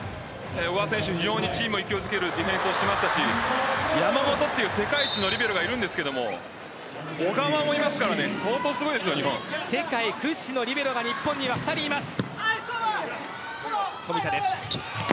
小川選手、非常にチームを勢いづけるディフェンスしていましたし山本という世界一のリベロがいるんですけれども小川もいますから世界屈指のリベロが日本には２人います。